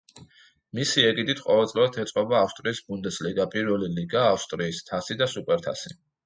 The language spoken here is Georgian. მისი ეგიდით ყოველწლიურად ეწყობა ავსტრიის ბუნდესლიგა, პირველი ლიგა, ავსტრიის თასი და სუპერთასი.